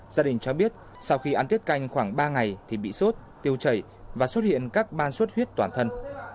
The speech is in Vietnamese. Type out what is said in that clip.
gia đình cho biết sau khi ăn tiết canh khoảng ba ngày thì bị sốt tiêu chảy và xuất hiện các ban xuất huyết toàn thân